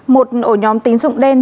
một ổ nhóm tính dụng đen